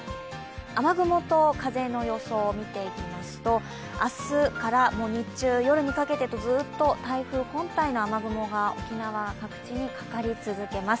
雨雲と、風の予想を見ていきますと、明日から日中、夜にかけてとずっと台風本体の雨雲が沖縄各地にかかり続けます。